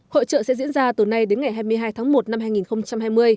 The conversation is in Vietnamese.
hội trợ sẽ diễn ra từ nay đến ngày hai mươi hai tháng một năm hai nghìn hai mươi